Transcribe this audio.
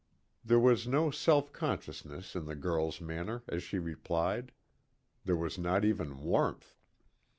There was no self consciousness in the girl's manner as she replied. There was not even warmth.